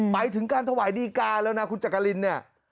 ไปถึงการถวายดีการแล้วนะคุณจักรินเนี่ย